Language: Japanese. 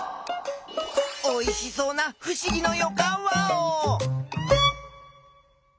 おいしそうなふしぎのよかんワオ！